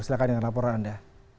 silahkan dengan laporan anda